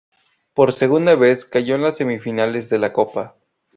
Por segunda vez cayó en las semifinales de la Copa.